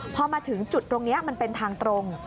พอมาถึงจุดตรงนี้มันเป็นทางตรง